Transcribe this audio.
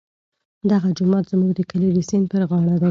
دغه جومات زموږ د کلي د سیند پر غاړه دی.